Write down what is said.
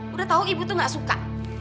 udah tahu ibu tuh nggak suka